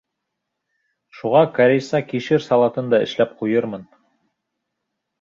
Шуға корейса кишер салатын да эшләп ҡуйырмын.